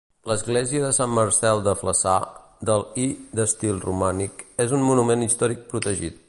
L'església de Sant Marcel de Flaçà, del i d'estil romànic, és un monument històric protegit.